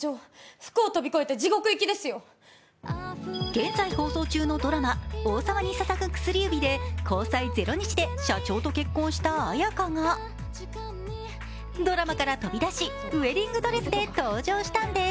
現在放送中のドラマ「王様に捧ぐ薬指」で交際ゼロ日で社長と結婚した綾華がドラマから飛び出し、ウェディングドレスで登場したんです。